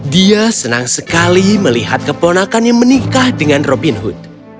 dia senang sekali melihat keponakannya menikah dengan robin hood